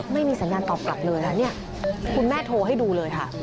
ไม่มีสัญญาณตอบกลับเลยค่ะเนี่ยคุณแม่โทรให้ดูเลยค่ะ